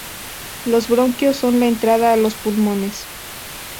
Los bronquios son la entrada a los pulmones.